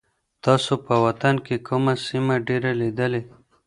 تاسو په وطن کي کومه سیمه ډېره لیدلې؟